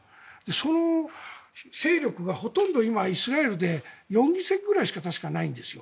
その勢力がほとんど今イスラエルで４議席ぐらいしかないんですよ。